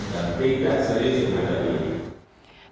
dan tidak serius dengan hal ini